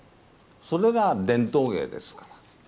それが伝統芸ですから。